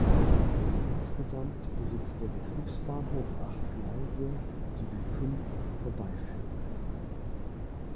Insgesamt besitzt der Betriebsbahnhof acht Gleise sowie fünf vorbeiführende Gleise.